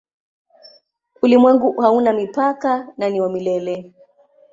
Ulimwengu hauna mipaka na ni wa milele.